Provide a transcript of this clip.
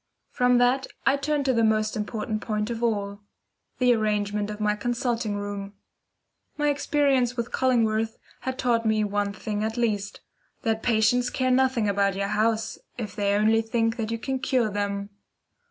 From that I turned to the most important point of all the arrangement of my consulting room. My experience with Cullingworth had taught me one thing at least, that patients care nothing about your house if they only think that you can cure them.